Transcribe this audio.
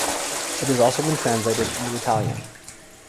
It has also been translated into Italian.